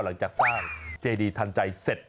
หลังจากสร้างเจดีทันใจเสร็จ